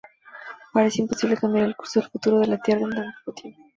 Parece imposible cambiar el curso del futuro de la Tierra en tan poco tiempo.